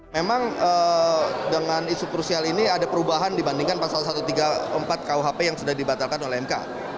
memang dengan isu krusial ini ada perubahan dibandingkan pasal satu ratus tiga puluh empat kuhp yang sudah dibatalkan oleh mk